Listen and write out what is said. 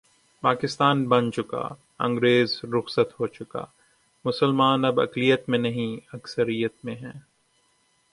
پاکستان بن چکا انگریز رخصت ہو چکا مسلمان اب اقلیت میں نہیں، اکثریت میں ہیں۔